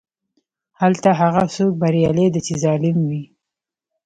هلته هغه څوک بریالی دی چې ظالم وي.